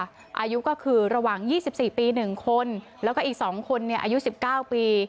อายุก็คือระหว่างยี่สิบสี่ปีหนึ่งคนแล้วก็อีกสองคนเนี่ยอายุสิบเก้าปี